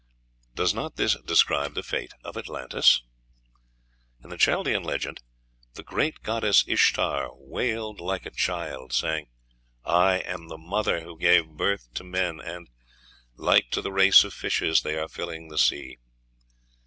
Does not this describe the fate of Atlantis? In the Chaldean legend "the great goddess Ishtar wailed like a child," saying, "I am the mother who gave birth to men, and, like to the race of fishes, they are filling the sea."